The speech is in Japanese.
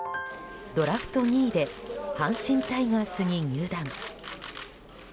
ドラフト２位で阪神タイガースに入団。